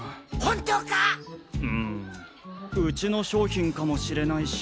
うちの商品かもしれないし。